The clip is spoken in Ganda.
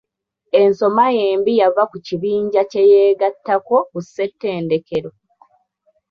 Ensoma ye embi yava ku kibiinja kye yeegattako ku ssettendekero.